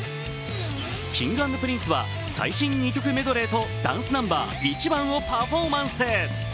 Ｋｉｎｇ＆Ｐｒｉｎｃｅは最新２曲メドレーとダンスナンバー「ｉｃｈｉｂａｎ」をパフォーマンス。